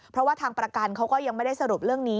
เพราะว่าทางประกันเขาก็ยังไม่ได้สรุปเรื่องนี้